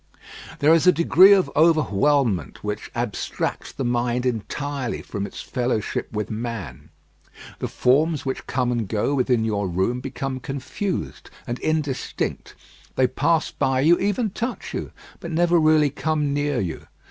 There is a degree of overwhelmment which abstracts the mind entirely from its fellowship with man. The forms which come and go within your room become confused and indistinct. They pass by, even touch you, but never really come near you.